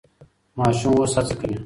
ماشوم اوس هڅه کوي.